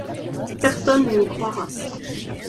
Personne n’y croira.